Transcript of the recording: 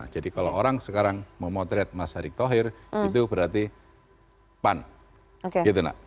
jadi kalau orang sekarang memotret mas erick thohir itu berarti pan gitu nak